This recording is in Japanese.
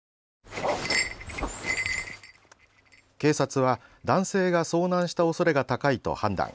警察は男性が遭難したおそれが高いと判断。